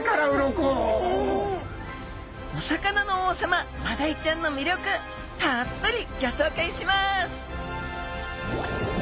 お魚の王様マダイちゃんのみりょくたっぷりギョしょうかいします！